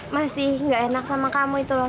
masih gak enak sama kamu itu loh